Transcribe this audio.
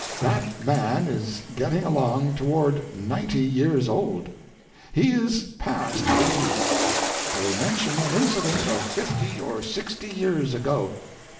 That man is getting along toward ninety years old. He is past eighty. I will mention an incident of fifty or sixty years ago.